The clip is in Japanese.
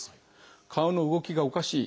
顔の動きがおかしい